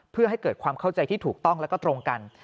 เพื่อให้เกิดความเข้าใจที่ถูกต้องแล้วก็ตรงกัน